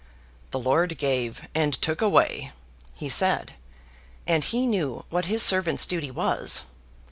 "The Lord gave and took away," he said; and he knew what His servant's duty was.